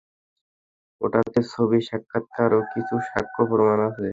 ওটাতে ছবি, সাক্ষাৎকার, ও কিছু সাক্ষ্য প্রমাণ আছে।